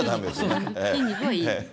筋肉はいい。